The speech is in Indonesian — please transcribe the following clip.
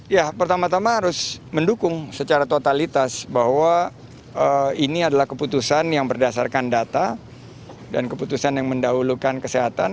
ya pertama tama harus mendukung secara totalitas bahwa ini adalah keputusan yang berdasarkan data dan keputusan yang mendahulukan kesehatan